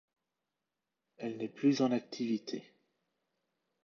Elle n'est plus en activité.